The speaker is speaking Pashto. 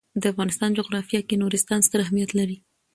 د افغانستان جغرافیه کې نورستان ستر اهمیت لري.